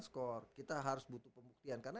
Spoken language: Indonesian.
skor kita harus butuh pembuktian karena